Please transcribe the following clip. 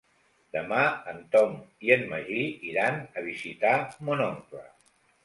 Demà en Tom i en Magí iran a visitar mon oncle.